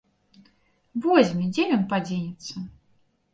Возьме, дзе ён падзенецца.